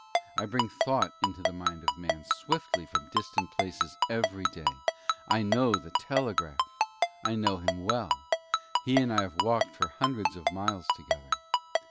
I bring thought into the mind of Man swiftly from distant places every day. I know the Telegraph I know him well; he and I have walked for hundreds of miles together.